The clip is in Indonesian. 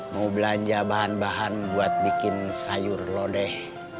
mau belanja bahan bahan buat bikin sayur lodeh